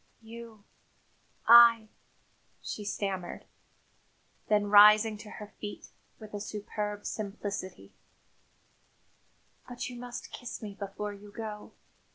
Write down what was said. "You I " she stammered. Then rising to her feet, with a superb simplicity: "But, you must kiss me before you go.